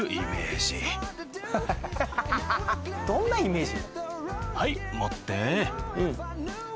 どんなイメージ？